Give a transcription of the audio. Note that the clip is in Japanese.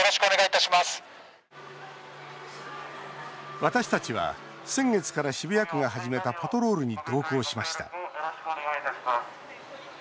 私たちは先月から渋谷区が始めたパトロールに同行しました。